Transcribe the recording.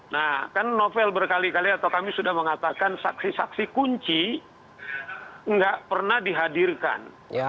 nah kan novel berkali kali atau kami sudah mengatakan saksi saksi kunci nggak pernah dihadirkan